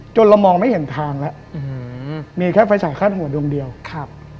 เรามองไม่เห็นทางแล้วอืมมีแค่ไฟฉายคาดหัวดวงเดียวครับ